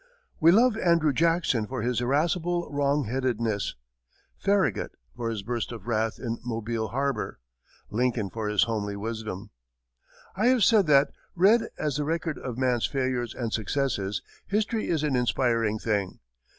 We love Andrew Jackson for his irascible wrong headedness, Farragut for his burst of wrath in Mobile harbor, Lincoln for his homely wisdom. I have said that, read as the record of man's failures and successes, history is an inspiring thing.